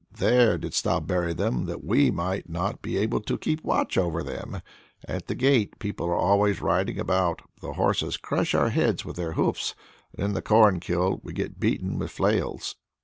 There didst thou bury them that we might not be able to keep watch over them. At the gate people are always riding about, the horses crush our heads with their hoofs, and in the corn kiln we get beaten with flails."